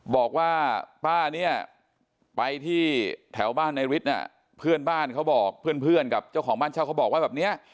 บอกว่าป้าเนี่ยไปที่แถวบ้านในฤทธิ์เนี่ยเพื่อนบ้านเขาบอกเพื่อนกับเจ้าของบ้านเช่าเขาบอกว่าแบบนี้